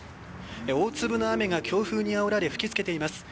大粒の雨が強風にあおられ吹き付けています。